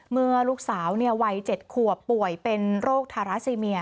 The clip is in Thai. เมื่อลูกสาววัย๗ขวบป่วยเป็นโรคทาราซีเมีย